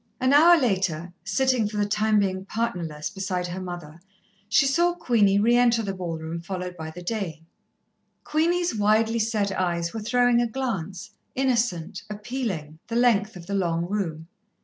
An hour later, sitting, for the time being partnerless, beside her mother, she saw Queenie re enter the ballroom, followed by the Dane. Queenie's widely set eyes were throwing a glance, innocent, appealing, the length of the long room.